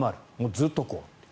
ずっとこう。